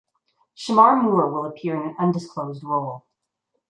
Shemar Moore will appear in an undisclosed role.